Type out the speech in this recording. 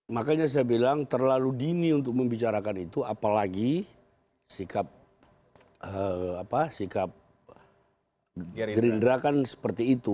makanya saya bilang terlalu dini untuk membicarakan itu apalagi sikap gerindra kan seperti itu